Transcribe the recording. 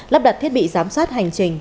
lắp đặt thiết bị giám sát hành trình